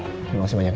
terima kasih banyak